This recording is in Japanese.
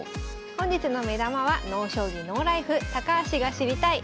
本日の目玉は「ＮＯ将棋ＮＯＬＩＦＥ」「高橋が知りたい！